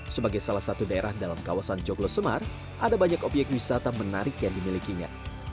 sebagai salah satu daerah dalam kawasan joglo semar ada banyak obyek wisata menarik yang dimilikinya